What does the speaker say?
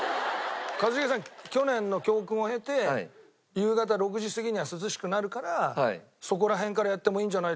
「一茂さん去年の教訓を得て夕方６時過ぎには涼しくなるからそこら辺からやってもいいんじゃないですか？」